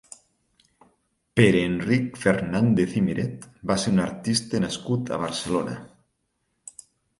Pere Enric Fernández i Miret va ser un artista nascut a Barcelona.